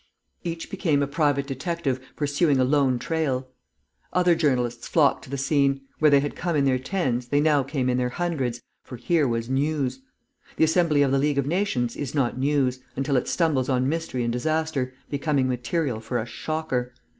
Each became a private detective, pursuing a lone trail. Other journalists flocked to the scene; where they had come in their tens, they now came in their hundreds, for here was News. The Assembly of the League of Nations is not News, until it stumbles on mystery and disaster, becoming material for a shocker.